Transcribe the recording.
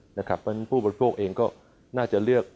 เพราะฉะนั้นผู้บริโภคเองก็น่าจะเลือก